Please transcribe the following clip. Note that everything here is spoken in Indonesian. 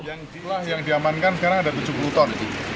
kita amankan sekarang ada tujuh puluh ton